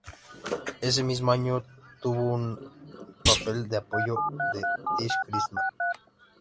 Ese mismo año tuvo un papel de apoyo en "This Christmas".